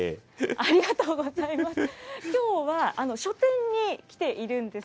ありがとうございます。